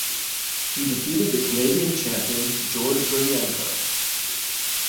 He defeated the Canadian Champion George Gordienko.